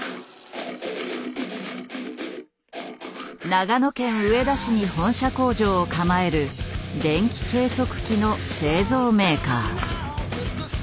長野県上田市に本社工場を構える電気計測器の製造メーカー。